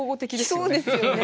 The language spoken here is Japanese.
そうですよね。